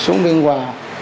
xuống biên hòa